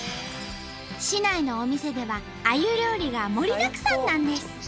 市内のお店ではあゆ料理が盛りだくさんなんです！